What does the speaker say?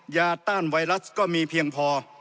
ต้านไวรัสก็มีเพียงพอ